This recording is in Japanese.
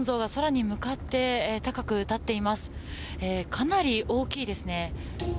かなり大きいですね。